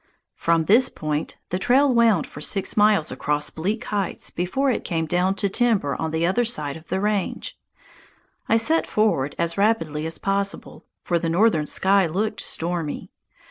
From this point the trail wound for six miles across bleak heights before it came down to timber on the other side of the range. I set forward as rapidly as possible, for the northern sky looked stormy.